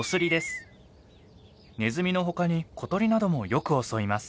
ネズミの他に小鳥などもよく襲います。